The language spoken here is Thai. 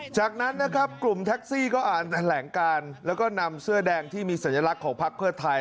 จากนั้นนะครับกลุ่มแท็กซี่ก็อ่านแถลงการแล้วก็นำเสื้อแดงที่มีสัญลักษณ์ของพักเพื่อไทย